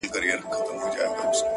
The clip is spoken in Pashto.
د ارواښاد تلین په اکټوبر میاشت کې دی